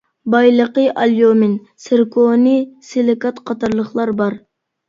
بايلىقى ئاليۇمىن، سىركونىي سىلىكات قاتارلىقلار بار.